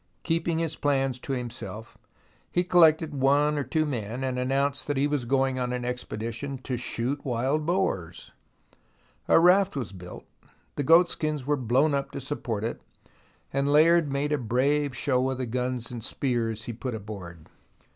Keeping his plans to himself, he collected one or 9 130 THE ROMANCE OF EXCAVATION two men and announced that he was going on an expedition to shoot wild boars. A raft was built, the goatskins were blown up to support it, and Layard made a brave show of the guns and spears he put aboard.